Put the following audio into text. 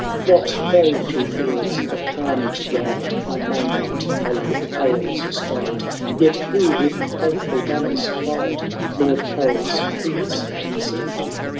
What though throng^ fields of carnage wide I may not follow Haiold*8 stride. Yet who with fiuthfiil Ghumar^s pride Lord Harold's feats can see